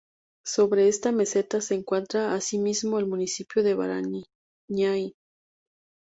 Sobre esta meseta se encuentra asimismo el municipio de Barañáin.